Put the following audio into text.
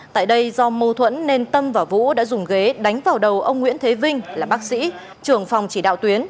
tại đây do mâu thuẫn nên tâm và vũ đã dùng ghế đánh vào đầu ông nguyễn thế vinh là bác sĩ trưởng phòng chỉ đạo tuyến